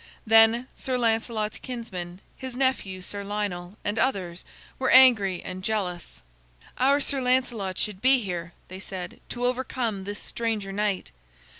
Then Sir Lancelot's kinsmen, his nephew, Sir Lionel, and others, were angry and jealous. "Our Sir Lancelot should be here," they said, "to overcome this stranger knight."